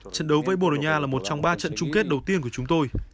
trận đấu với bồ đào nha là một trong ba trận chung kết đầu tiên của chúng tôi